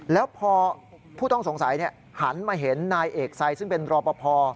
แล้วพอผู้ต้องสงสัยหันมาเห็นนายเอกไซซึ่งเป็นรอปภ